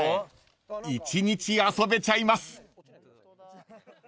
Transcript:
［一日遊べちゃいます］